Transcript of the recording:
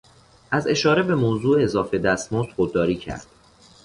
از اشاره به موضوع اضافه دستمزد خودداری کرد.